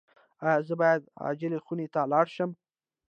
ایا زه باید عاجل خونې ته لاړ شم؟